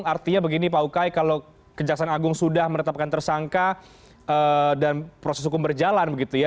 artinya begini pak ukay kalau kejaksaan agung sudah menetapkan tersangka dan proses hukum berjalan begitu ya